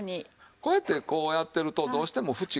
こうやってこうやってるとどうしても縁があれでしょう。